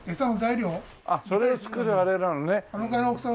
それを作るあれなのね。